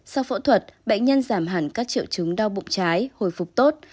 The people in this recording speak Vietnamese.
sau phẫu thuật bệnh nhân giảm hẳn các triệu chứng đau bụng trái hồi phục tốt